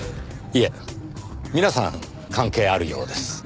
いえ皆さん関係あるようです。